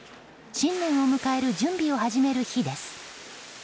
新年を迎える準備を始める日です。